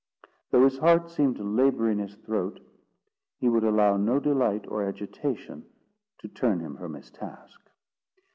Though his heart seemed to labour in his throat, he would allow no delight or agitation to turn him from his task.